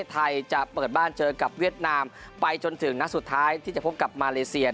ไทยจะเปิดบ้านเจอกับเวียดนามไปจนถึงนัดสุดท้ายที่จะพบกับมาเลเซีย